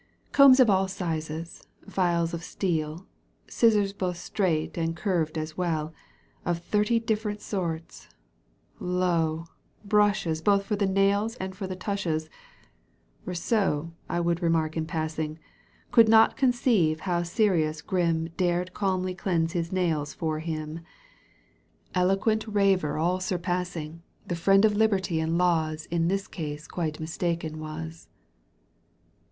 Combs of all sizes, files of steel, Scissors both straight and curved as well. Of thirty different sorts, lo ! brushes Both for the nails and for the tushes. ^ Eousseau, I would remark in passing,^^ Could not conceive how serious Grimm Dared calmly cleanse his nails 'fore him, Eloquent raver all surpassing, — Digitized by VjOOQ 1С 14 EUGENE ON^GUINE. canto i. The friend of liberty and laws . In this case quite mistaken was.